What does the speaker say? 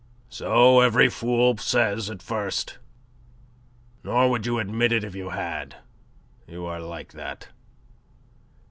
"So every fool says at first. Nor would you admit it if you had. You are like that.